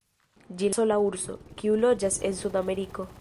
Ĝi la sola urso, kiu loĝas en Sudameriko.